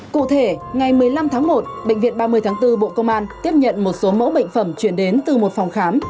cụ thể ngày một mươi năm tháng một bệnh viện ba mươi tháng bốn bộ công an tiếp nhận một số mẫu bệnh phẩm chuyển đến từ một phòng khám